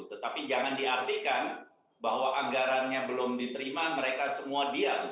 tetapi jangan diartikan bahwa anggarannya belum diterima mereka semua diam